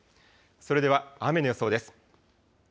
それでは雨の予想です。